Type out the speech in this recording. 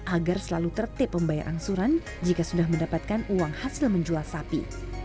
agar selalu tertip membayar angsuran jika sudah mendapatkan uang hasil menjual sapi